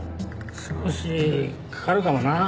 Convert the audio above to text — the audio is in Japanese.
少しかかるかもな。